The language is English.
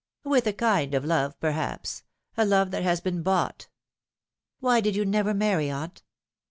" With a kind of love, perhaps a love that has been bought." " Why did you never marry, aunt